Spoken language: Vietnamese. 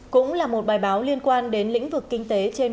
cũng là một bài báo liên quan đến lĩnh vực kinh doanh tôm